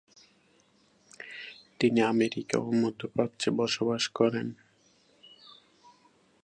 তিনি আমেরিকা ও মধ্যপ্রাচ্যে বসবাস করেন করেন।